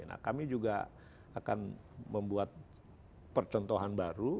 nah kami juga akan membuat percontohan baru